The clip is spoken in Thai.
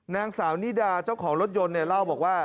นางสาวนี่ด่าเจ้าของรถยนต์เล่าบอกว่า